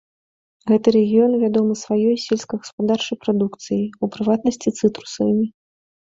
Гэты рэгіён вядомы сваёй сельскагаспадарчай прадукцыяй, у прыватнасці цытрусавымі.